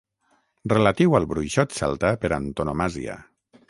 Relatiu al bruixot celta per antonomàsia.